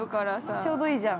◆ちょうどいいじゃん。